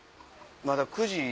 まだ９時。